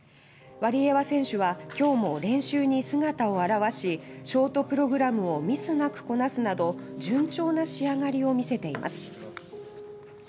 ワリエワ選手はきょうも練習に姿を現しショートプログラムをミスなくこなすなど順調な仕上がりを見せています。